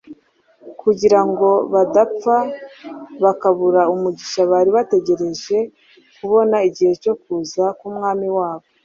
kugira ngo badapfa bakabura umugisha bari bategereje kubona igihe cyo kuza k’Umwami wabo.